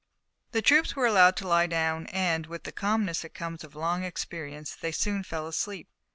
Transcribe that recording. The troops were allowed to lie down, and, with the calmness that comes of long experience, they soon fell asleep.